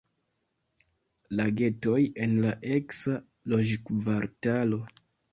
Lagetoj en la eksa loĝkvartalo.